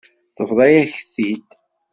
Tebḍa-yak-t-id.